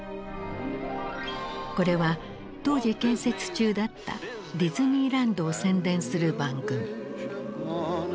これは当時建設中だったディズニーランドを宣伝する番組。